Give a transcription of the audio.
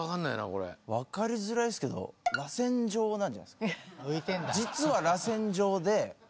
これ分かりづらいっすけどらせん状なんじゃないですか？